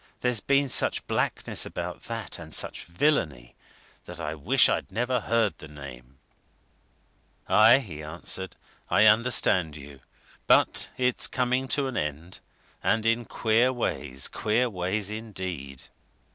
There's been such blackness about that, and such villainy, that I wish I'd never heard the name!" "Aye!" he answered. "I understand you. But it's coming to an end. And in queer ways queer ways, indeed!"